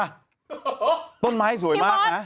อ้อมนต้นไม้สวยมากครับ